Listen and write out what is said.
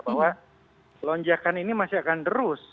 bahwa lonjakan ini masih akan terus